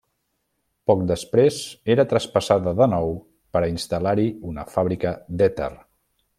Poc després era traspassada de nou per a instal·lar-hi una fàbrica d'èter.